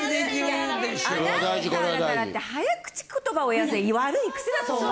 アナウンサーだからって早口言葉を言わせる悪い癖だと思う。